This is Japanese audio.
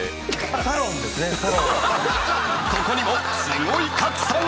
［ここにもすごい格差が！］